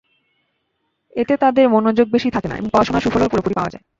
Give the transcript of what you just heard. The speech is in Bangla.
এতে তাঁদের মনোযোগ বেশি থাকে এবং পড়াশোনার সুফলও পুরোপুরি পাওয়া যায়।